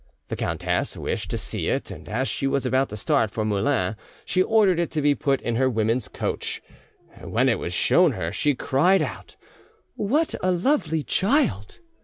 The countess wished to see it, and as she was about to start for Moulins she ordered it to be put in her women's coach; when it was shown her, she cried out, "What a lovely child!"